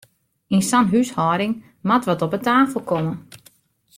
Yn sa'n húshâlding moat wat op 'e tafel komme!